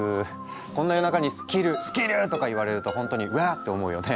こんな夜中にスキルスキル！とか言われるとほんとにうわって思うよね。